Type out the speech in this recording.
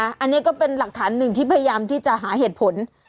อันนี้ก็เป็นหลักฐานหนึ่งที่พยายามที่จะหาเหตุผล